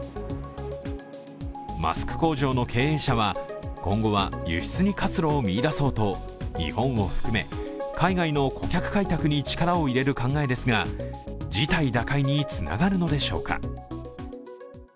マスク工場の経営者は今後は輸出に活路を見出そうと日本を含め海外の顧客開拓に力を入れる考えですが事態打開につながるのでしょうか。